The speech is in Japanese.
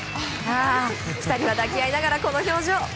２人は抱き合いながらこの表情。